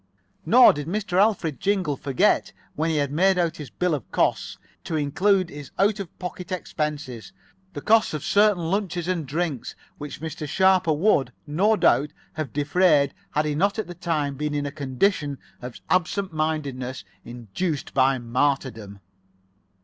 Nor did Mr. Alfred Jingle forget, when he made out his bill of costs, to include in his out of pocket expenses, the cost of certain luncheons and drinks which Mr. Sharper would, no doubt, have defrayed had he not at that time been in a condition of absent mindedness induced by martyrdom.